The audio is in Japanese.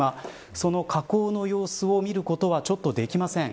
その火口の様子を見ることはちょっとできません。